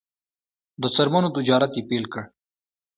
د څرمنو تجارت یې پیل کړ.